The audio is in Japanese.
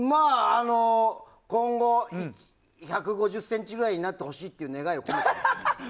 今後、１５０ｃｍぐらいになってほしいという願いを込めて。